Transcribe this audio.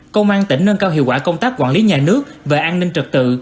công an tỉnh nâng cao hiệu quả công tác quản lý nhà nước về an ninh trật tự